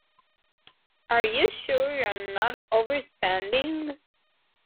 Are you sure you're not overspending?